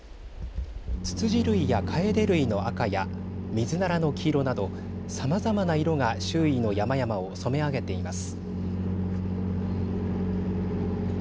ツツジ類やカエデ類の赤やミズナラの黄色などさまざまな色が周囲の山々を染め上げています。